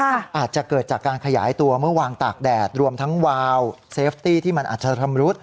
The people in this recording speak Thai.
อาจจะเกิดจากการขยายตัวเมื่อวางตากแดดรวมทั้งวาวเซฟตี้ที่มันอาจจะชำรุด